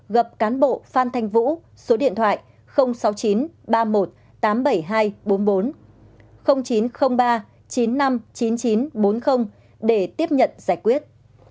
gặp cán bộ phan thanh vũ số điện thoại sáu mươi chín ba triệu một trăm tám mươi bảy nghìn hai trăm bốn mươi bốn chín trăm linh ba chín trăm năm mươi chín nghìn chín trăm bốn mươi để tiếp nhận giải quyết